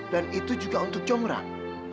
dan itu juga untuk jongrang